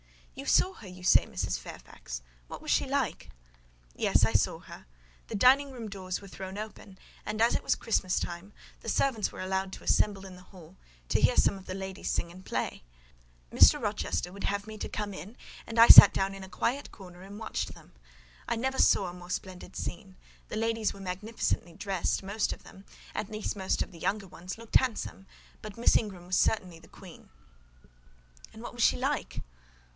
"You saw her, you say, Mrs. Fairfax: what was she like?" "Yes, I saw her. The dining room doors were thrown open; and, as it was Christmas time, the servants were allowed to assemble in the hall, to hear some of the ladies sing and play. Mr. Rochester would have me to come in, and I sat down in a quiet corner and watched them. I never saw a more splendid scene: the ladies were magnificently dressed; most of them—at least most of the younger ones—looked handsome; but Miss Ingram was certainly the queen." "And what was she like?"